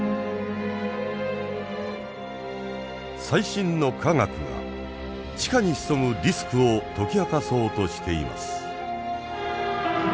最新の科学が地下に潜むリスクを解き明かそうとしています。